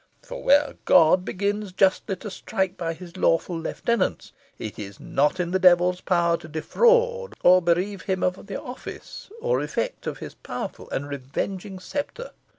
For where God begins justly to strike by his lawful lieutenants, it is not in the devil's power to defraud or bereave him of the office or effect of his powerful and revenging sceptre.'